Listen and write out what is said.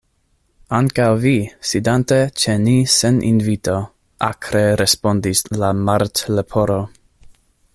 "Ankaŭ vi, sidante ĉe ni sen invito," akre respondis la Martleporo.